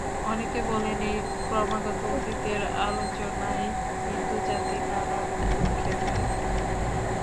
অনেকে বলেন, এইরূপ ক্রমাগত অতীতের আলোচনাই হিন্দুজাতির নানারূপ দুঃখের কারণ।